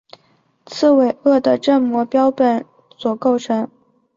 刺猬鳄的正模标本所构成。